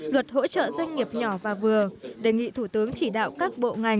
luật hỗ trợ doanh nghiệp nhỏ và vừa đề nghị thủ tướng chỉ đạo các bộ ngành